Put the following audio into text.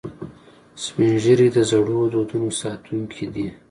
سپین ږیری د زړو دودونو ساتونکي دي